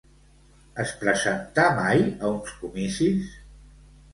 Es presentà mai a uns comicis?